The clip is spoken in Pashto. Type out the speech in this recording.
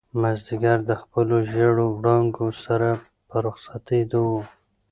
مازیګر د خپلو ژېړو وړانګو سره په رخصتېدو و.